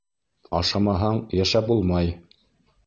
Ашамаһаң, йәшәп булмай.